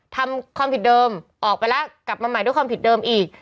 ทำความผิดเดิมออกไปแล้วกลับมาใหม่ด้วยความผิดเดิมอีก